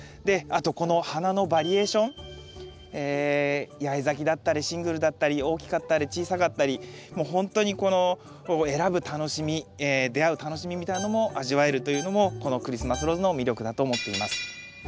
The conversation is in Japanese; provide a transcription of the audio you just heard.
あとこの花のバリエーション八重咲きだったりシングルだったり大きかったり小さかったりもうほんとにこの選ぶ楽しみ出会う楽しみみたいなのも味わえるというのもこのクリスマスローズの魅力だと思っています。